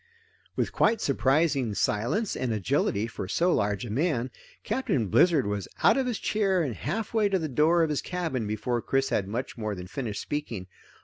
With quite surprising silence and agility for so large a man, Captain Blizzard was out of his chair and half way to the door of his cabin before Chris had much more than finished speaking.